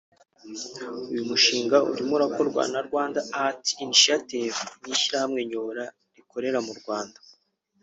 Uyu mushinga urimo urakorwa na « Rwanda Arts Initiative” n’ishyirahamwe nyobora rikorera mu Rwanda